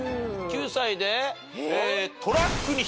９歳で。